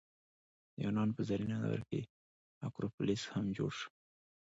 د یونان په زرینه دوره کې اکروپولیس هم جوړ شو.